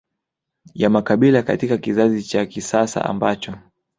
ya makabila katika kizazi cha kisasa ambacho